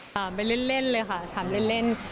ถามไปเล่นเลยค่ะถามเล่น